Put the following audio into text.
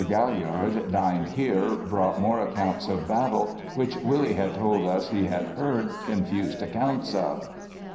Gaillard dined here, brought more accounts of battle which Willie had told us he had heard confused accounts of.